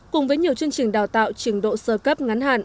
cùng với nhiều chương trình đào tạo trình độ sơ cấp